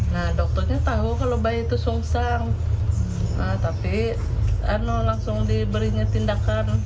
nah dokternya tahu kalau bayi itu susah tapi langsung diberinya tindakan